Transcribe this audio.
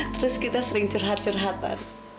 terus kita sering curhat curhatan